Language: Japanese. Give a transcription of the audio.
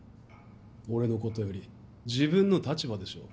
俺のことより自分の立場でしょ？